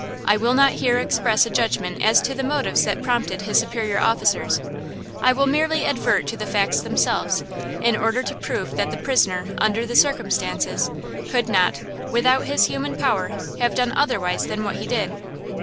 I will not here express a judgment as to the motives that prompted his superior officers, I will merely advert to the facts themselves, in order to prove that the prisoner, under the circumstances, could not, with his human power, have done otherwise than what he did."